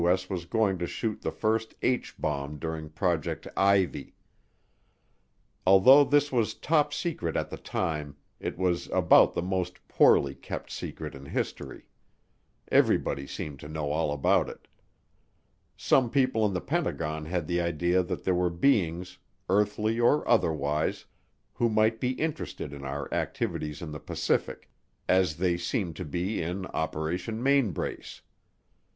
S. was going to shoot the first H bomb during Project Ivy. Although this was Top Secret at the time, it was about the most poorly kept secret in history everybody seemed to know all about it. Some people in the Pentagon had the idea that there were beings, earthly or otherwise, who might be interested in our activities in the Pacific, as they seemed to be in Operation Mainbrace.